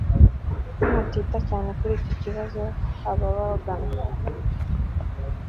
Nimutita cyane kuri iki kibazo ababagana